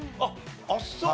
あっそう？